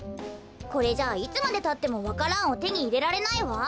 これじゃいつまでたってもわか蘭をてにいれられないわ。